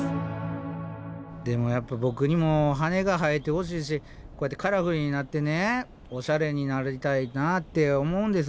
でもやっぱボクにも羽が生えてほしいしこうやってカラフルになってオシャレになりたいなって思うんですよ。